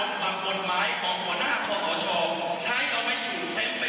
อันตราข้อสัยเมื่อเราเข้าไปเบี่ยงมาก